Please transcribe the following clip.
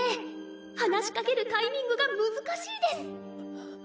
話しかけるタイミングが難しいです！